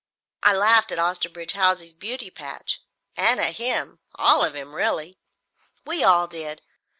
I laughed at Osterbridge Hawsey's beauty patch and at him all of him, really. We all did.